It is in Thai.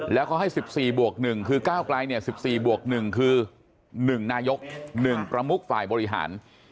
แล้วเขาให้๑๔บวก๑คือก้าวไกล๑๔บวก๑คือ๑นายก๑ประมุกฝ่ายบริหาร